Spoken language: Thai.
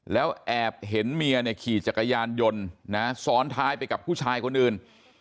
แล้วแอบเห็นเมียเนี่ยขี่จักรยานยนต์นะซ้อนท้ายไปกับผู้ชายคนอื่น